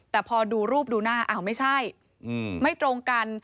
แต่พอดูรูปดูหน้าอ้าวไม่ใช่ไม่ตรงกัน